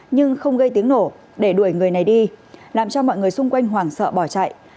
nhưng không gây tiếng nổ để đuổi người này đi làm cho mọi người xung quanh hoảng sợ bỏ chạy